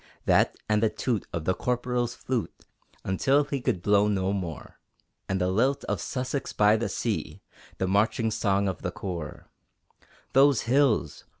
That and the toot of the corporal's flute, Until he could blow no more, And the lilt of "Sussex by the Sea," The marching song of the corps. Those hills!